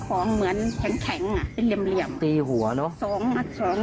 ของเหมือนแข็งแข็งอ่ะเป็นเหลี่ยมตีหัวเนอะสองนัดสอง